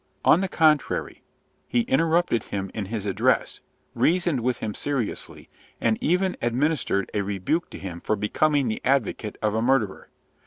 On the contrary, he interrupted him in his address, reasoned with him seriously, and even administered a rebuke to him for becoming the advocate of a murderer.